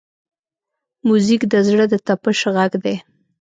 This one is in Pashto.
موزیک د زړه د طپش غږ دی.